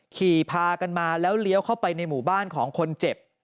ขี่พากันมาแล้วเลี้ยวเข้าไปในหมู่บ้านของคนเจ็บ